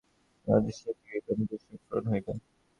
যথাকালে মহাশক্তির কৃপায় তাহার পুনঃস্ফুরণ হইবে।